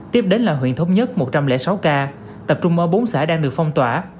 tiếp đến là huyện thống nhất một trăm linh sáu ca tập trung ở bốn xã đang được phong tỏa